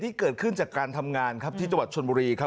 ที่เกิดขึ้นตามงานที่จังหวัดช้นบุรีครับ